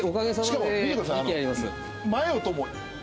しかも見てください。